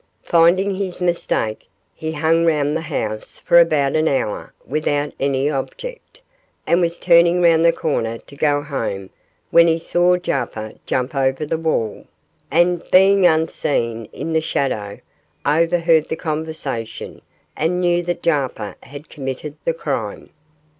Finding his mistake, he hung round the house for about an hour without any object, and was turning round the corner to go home when he saw Jarper jump over the wall, and, being unseen in the shadow, overheard the conversation and knew that Jarper had committed the crime.